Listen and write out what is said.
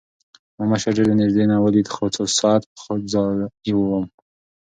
ما مشر ډېر د نزدې نه وليد څو ساعت پۀ ځائې ووم